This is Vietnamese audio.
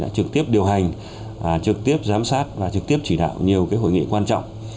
trực tiếp điều hành trực tiếp giám sát và trực tiếp chỉ đạo nhiều hội nghị quan trọng